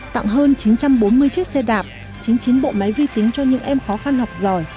tặng hơn chín trăm bốn mươi chiếc xe đạp chín mươi chín bộ máy vi tính cho những em khó khăn học giỏi